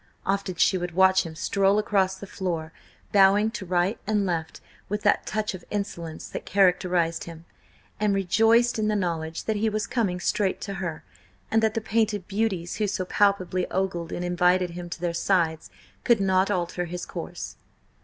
Often she would watch him stroll across the floor, bowing to right and left with that touch of insolence that characterised him, and rejoiced in the knowledge that he was coming straight to her, and that the painted beauties who so palpably ogled and invited him to their sides could not alter his course.